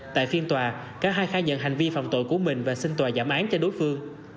tại phiên tòa cả hai khai nhận hành vi phạm tội của mình và xin tòa giảm án cho đối phương